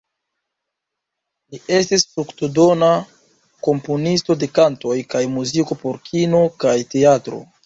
Li estis fruktodona komponisto de kantoj kaj muziko por kino kaj teatro.